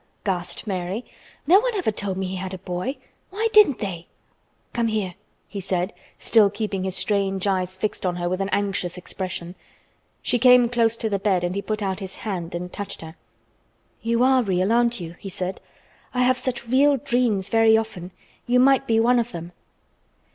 gasped Mary. "No one ever told me he had a boy! Why didn't they?" "Come here," he said, still keeping his strange eyes fixed on her with an anxious expression. She came close to the bed and he put out his hand and touched her. "You are real, aren't you?" he said. "I have such real dreams very often. You might be one of them."